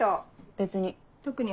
別に。